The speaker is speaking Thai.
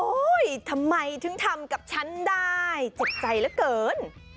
โอ๊ยยยยยทำไมถึงทำกับฉันได้